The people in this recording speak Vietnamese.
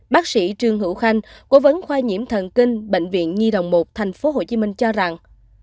bác sĩ trương hữu khanh cố vấn khoa nhiễm thần kinh bệnh viện nhi đồng một tp hcm cho rằng